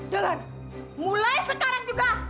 dengan mulai sekarang juga